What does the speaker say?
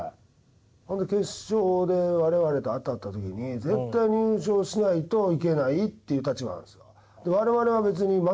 決勝で我々と当たった時に絶対に優勝しないといけないっていう立場なんですよ。